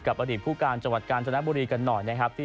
อดีตผู้การจังหวัดกาญจนบุรีกันหน่อยนะครับ